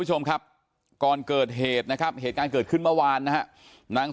คุณผู้ชมครับก่อนเกิดเหตุนะครับเหตุการณ์เกิดขึ้นเมื่อวานนะฮะนาง